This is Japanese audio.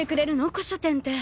古書店って。